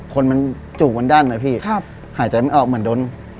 คนมันจูบมันดั้นนะพี่หายใจไม่ออกเหมือนโดน